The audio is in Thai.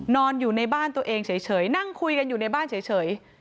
นอนอยู่ในบ้านตัวเองเฉยนั่งคุยกันอยู่ในบ้านเฉย